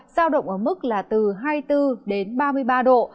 giao động ở mức là từ hai mươi bốn đến ba mươi ba độ